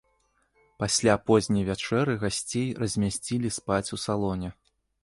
Пасля позняй вячэры гасцей размясцілі спаць у салоне.